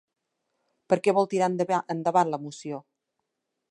Per què vol tirar endavant la moció?